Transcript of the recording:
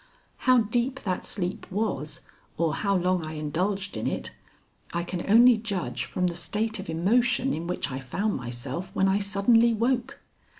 How deep that sleep was or how long I indulged in it, I can only judge from the state of emotion in which I found myself when I suddenly woke.